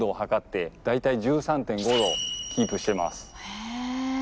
へえ。